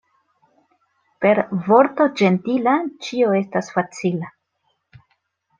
Per vorto ĝentila ĉio estas facila.